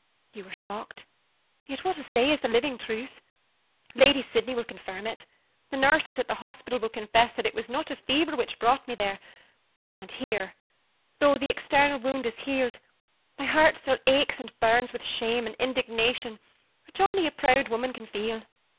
You are shocked, yet what I say is the living truth. Lady Sydney will confirm it, the nurses at the hospital will confess that it was not a fever which brought me there; and here, though the external wound is healed, my heart still aches and burns with the shame and indignation which only a proud woman can feel."